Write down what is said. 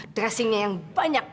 dressingnya yang banyak